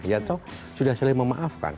ya toh sudah saling memaafkan